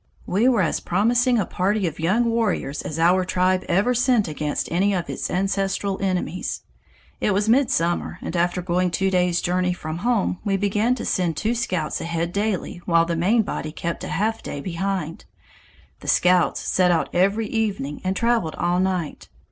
"We were as promising a party of young warriors as our tribe ever sent against any of its ancestral enemies. It was midsummer, and after going two days' journey from home we began to send two scouts ahead daily while the main body kept a half day behind. The scouts set out every evening and traveled all night.